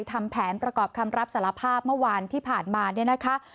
ทำแผนประกอบคำรับสารภาพเมื่อวานที่ผ่านมาเนี่ยนะคะ